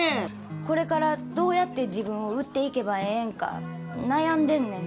これからどうやって自分を売っていけばええんか悩んでんねん。